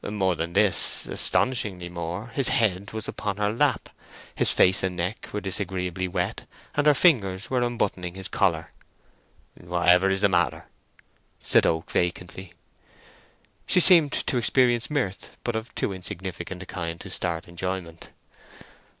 More than this—astonishingly more—his head was upon her lap, his face and neck were disagreeably wet, and her fingers were unbuttoning his collar. "Whatever is the matter?" said Oak, vacantly. She seemed to experience mirth, but of too insignificant a kind to start enjoyment.